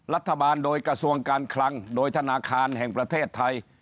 รัฐบาลโดยกระทรวงการคลังโดยธนาคารแห่งประเทศไทย